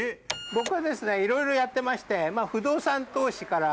僕はですねいろいろやってまして不動産投資から。